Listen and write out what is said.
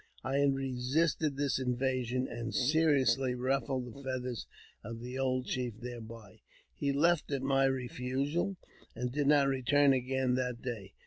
I resisted this invasion, and seriously ruffled the feathers of the old chief thereby. He left at my refusal, and did not return again that day.